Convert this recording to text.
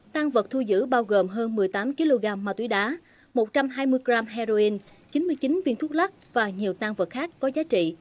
tăng vật thu giữ bao gồm hơn một mươi tám kg ma túy đá một trăm hai mươi g heroin chín mươi chín viên thuốc lắc và nhiều tang vật khác có giá trị